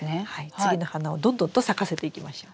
次の花をどんどんと咲かせていきましょう。